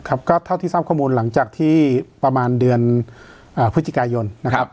ครับก็เท่าที่ทราบข้อมูลหลังจากที่ประมาณเดือนพฤศจิกายนนะครับ